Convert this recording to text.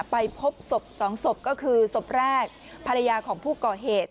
ไปพบศพสองศพก็คือศพแรกภรรยาของผู้ก่อเหตุ